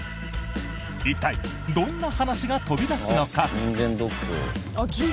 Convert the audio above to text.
一体、どんな話が飛び出すのか。